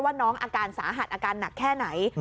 ว่าน้องอาการสาหัสอาการหนักแค่ไหน